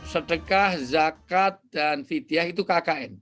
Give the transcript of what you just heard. sedekah zakat dan vidyah itu kkn